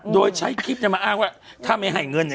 โดยใช้คลิปมาอ้างว่าถ้าไม่ให้เงินค่ะ